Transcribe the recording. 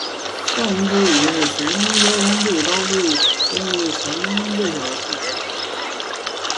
方智怡是前交通部高速公路工程局局长方恩绪的最小的女儿。